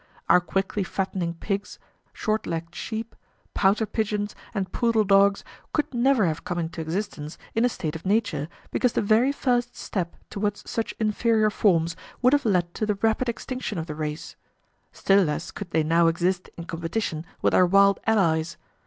Our quickly fattening pigs, short legged sheep, pouter pigeons, and poodle dogs could never have come into existence in a state of nature, because the very first step towards such inferior forms would have led to the rapid extinction of the race; still less could they now exist in competition with their wild allies.